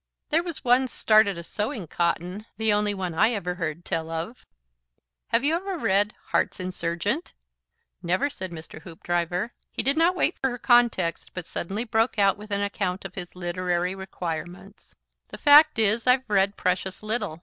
"There was one started a sewing cotton, the only one I ever heard tell of." "Have you ever read 'Hearts Insurgent'?" "Never," said Mr. Hoopdriver. He did not wait for her context, but suddenly broke out with an account of his literary requirements. "The fact is I've read precious little.